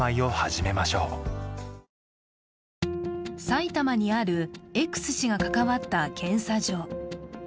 埼玉にあるＸ氏が関わった検査所